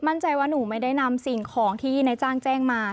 มั่นใจว่าหนูไม่ได้นำสิ่งของที่นายจ้างแจ้งมา